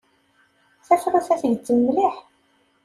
Tafrut-a tgezzem mliḥ.